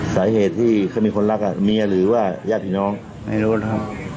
สาเหตุที่เค้ามีคนรักอ่ะเมียหรือว่าย่าผีน้องไม่รู้ครับฮะ